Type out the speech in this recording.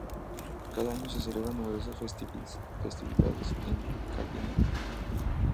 Cada año se celebran numerosas festividades en Cayena.